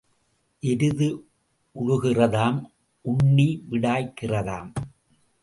எருது உழுகிறதாம் உண்ணி விடாய்க்கிறதாம்.